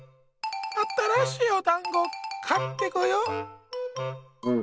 あたらしいおだんごかってこよ。